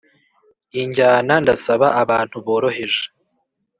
injyana ndasaba abantu boroheje